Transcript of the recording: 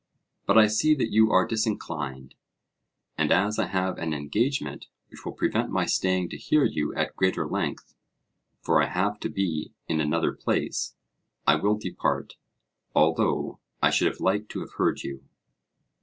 But I see that you are disinclined, and as I have an engagement which will prevent my staying to hear you at greater length (for I have to be in another place), I will depart; although I should have liked to have heard you.